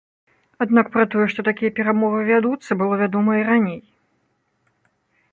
Аднак пра тое, што такія перамовы вядуцца, было вядома і раней.